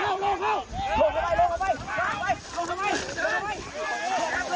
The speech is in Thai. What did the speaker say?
หลบลุกล่าวลุกล่าวลุกล่าวลุกล่าวลุกล่าว